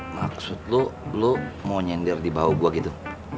maksud lo lo mau nyender di bau gue gitu